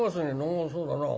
「あそうだな。